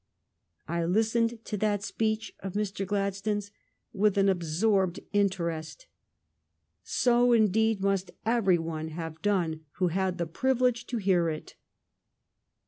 I listened to that speech of Mr. Gladstone s with an absorbed inter est. So, indeed, must every one have done who had the privilege to hear it.